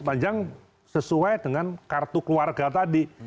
sepanjang sesuai dengan kartu keluarga tadi